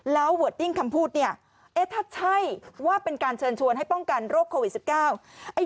แล้วเวอร์ดดิ้งคำพูดเนี่ยเอ๊ะถ้าใช่ว่าเป็นการเชิญชวนให้ป้องกันโรคโควิดสิบเก้า